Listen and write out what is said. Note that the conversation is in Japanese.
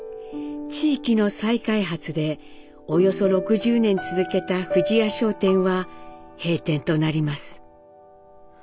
地域の再開発でおよそ６０年続けた富士屋商店は閉店となります。